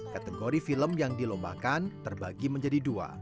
kategori film yang dilombakan terbagi menjadi dua